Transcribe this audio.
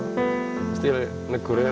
masih negeri langsung kayak temen